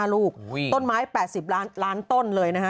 ลูกต้นไม้๘๐ล้านต้นเลยนะฮะ